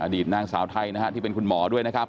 นางสาวไทยนะฮะที่เป็นคุณหมอด้วยนะครับ